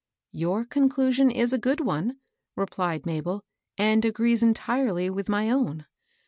" Your conclusion is a good one," replied Mabel, " and agrees entirely with my own.